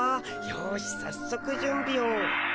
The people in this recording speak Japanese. よしさっそくじゅんびを。